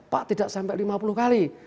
pak tidak sampai lima puluh kali